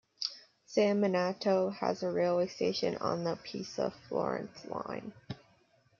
San Miniato has a railway station on the Pisa-Florence line.